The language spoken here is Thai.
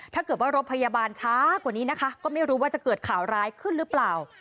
ถ้าเกิดว่ารถพยาบาลช้ากว่านี้นะคะก็ไม่รู้ว่าจะเกิดข่าวร้ายขึ้นหรือเปล่า